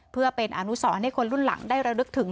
เพื่อเป็นอนุสรให้คนรุ่นหลังได้ระลึกถึง